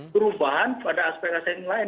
perubahan pada aspek asing lain